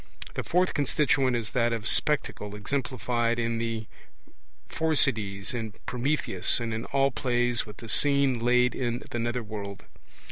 The fourth constituent is that of 'Spectacle', exemplified in The Phorcides, in Prometheus, and in all plays with the scene laid in the nether world.